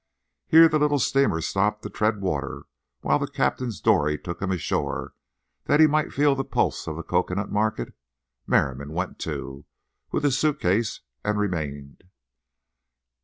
Here the little steamer stopped to tread water while the captain's dory took him ashore that he might feel the pulse of the cocoanut market. Merriam went too, with his suit case, and remained.